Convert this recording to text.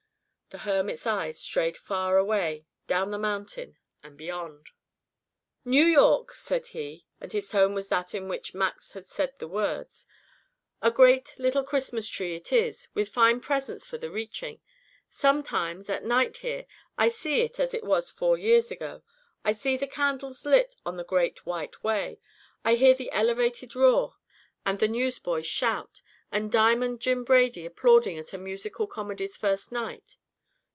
The hermit's eyes strayed far away down the mountain and beyond. "New York," said he, and his tone was that in which Max had said the words. "A great little Christmas tree it is, with fine presents for the reaching. Sometimes, at night here, I see it as it was four years ago I see the candles lit on the Great White Way I hear the elevated roar, and the newsboys shout, and Diamond Jim Brady applauding at a musical comedy's first night.